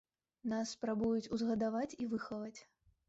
Нас спрабуюць узгадаваць і выхаваць.